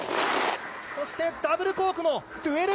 そして、ダブルコーク１２６０！